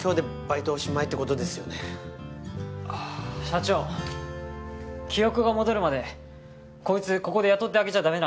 社長記憶が戻るまでこいつここで雇ってあげちゃ駄目なんですか？